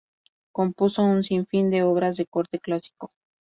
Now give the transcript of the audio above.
Compuso un sinfín de obras de corte clásico.